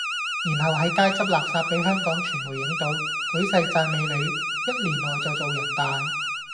然後係街執垃圾比香港傳媒影到，舉世讚美你，一年內就做人大。